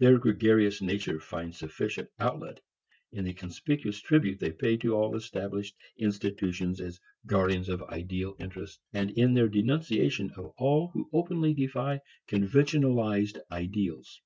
Their gregarious nature finds sufficient outlet in the conspicuous tribute they pay to all established institutions as guardians of ideal interests, and in their denunciations of all who openly defy conventionalized ideals.